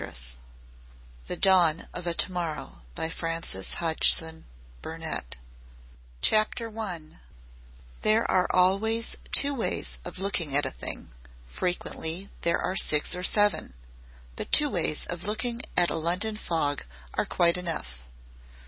zip) THE DAWN OF A TO MORROW by FRANCES HODGSON BURNETT I There are always two ways of looking at a thing, frequently there are six or seven; but two ways of looking at a London fog are quite enough.